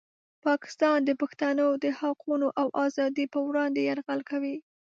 پاکستان د پښتنو د حقونو او ازادۍ په وړاندې یرغل کوي.